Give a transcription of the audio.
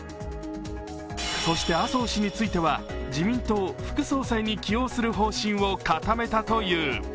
そして、麻生氏については自民党副総裁に起用する方針を固めたという。